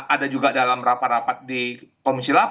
ada juga dalam rapat rapat di komisi delapan